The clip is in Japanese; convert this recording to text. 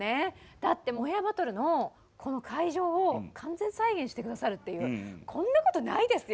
だって「オンエアバトル」のこの会場を完全再現して下さるっていうこんなことないですよ。